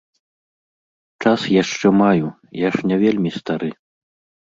Час яшчэ маю, я ж не вельмі стары.